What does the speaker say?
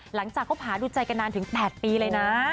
หลังจากเขาผาดูใจกันนานถึง๘ปีเลยนะ